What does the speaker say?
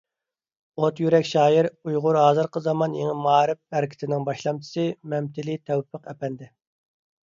ئوت يۈرەك شائىر، ئۇيغۇر ھازىرقى زامان يېڭى مائارىپ ھەرىكىتىنىڭ باشلامچىسى مەمتىلى تەۋپىق ئەپەندى.